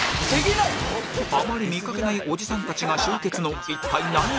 あまり見かけないおじさんたちが集結の一体何芸人？